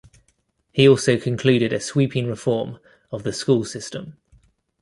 He also concluded a sweeping reform of the school system.